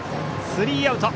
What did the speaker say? スリーアウト。